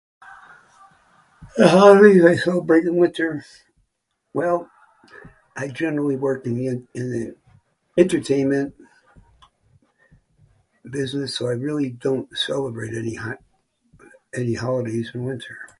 The holidays I celebrate in winter? Well, I generally work in the in the entertainment business, so I really don't celebrate any ha- a- any holidays in winter.